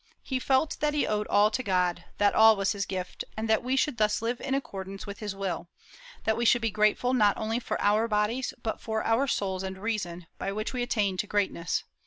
He felt that he owed all to God, that all was his gift, and that we should thus live in accordance with his will; that we should be grateful not only for our bodies, but for our souls and reason, by which we attain to greatness.